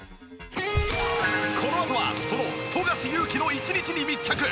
このあとはその富樫勇樹の一日に密着！